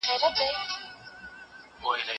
زه به کتاب ليکلی وي!!